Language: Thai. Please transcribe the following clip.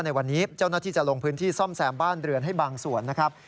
ในวันนี้เจ้าหน้าที่จะลงพื้นที่ซ่อมแซมบ้านเรือนให้บางส่วนนะครับ